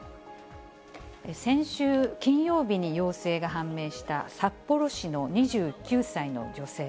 先週金曜日に陽性が判明した、札幌市の２９歳の女性。